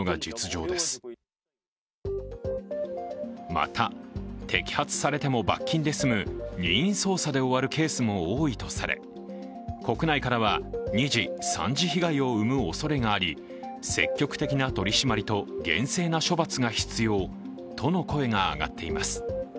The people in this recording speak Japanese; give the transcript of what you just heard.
また、摘発されても罰金で済む任意捜査で終わるケースも多いとされ国内からは、２次、３次被害を生むおそれがあり積極的な取り締まりと厳正な処罰が必要との声が上がっています。